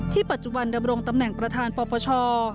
ปัจจุบันดำรงตำแหน่งประธานปปช